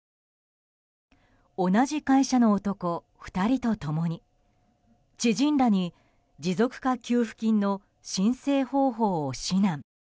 同じ会社の男２人と共に知人らに持続化給付金の申請方法を指南。